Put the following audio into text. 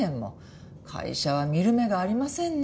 会社は見る目がありませんね。